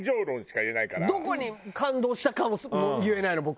どこに感動したかも言えないの僕。